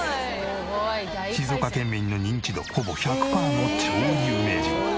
静岡県民の認知度ほぼ１００パーの超有名人。